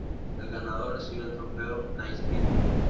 El ganador recibe el Trofeo Naismith.